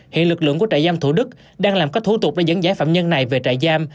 hiện lực lượng của trại giam thủ đức đang làm các thủ tục để dẫn giải phạm nhân này về trại giam